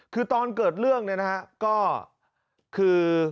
คือตอนเกิดเรื่องก็คือ